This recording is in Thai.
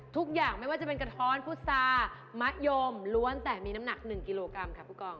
ทุกอย่างไม่ว่าจะเป็นกระท้อนพุษามะยมล้วนแต่มีน้ำหนัก๑กิโลกรัมค่ะผู้กอง